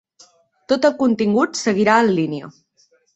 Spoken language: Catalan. Tot el contingut seguirà en línia.